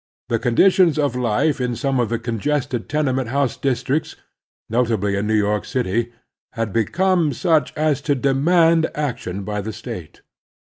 The conditions of Ufe in some of the congested tene ment house districts, notably in New York City, had become such as to demand action by the State.